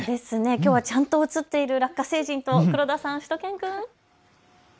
きょうはちゃんと映っているラッカ星人と黒田さん、しゅと犬くん。